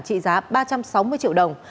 trị giá ba trăm sáu mươi triệu đồng